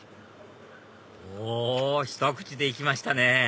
おひと口で行きましたね！